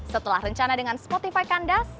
setelah rencana dengan spotify kandas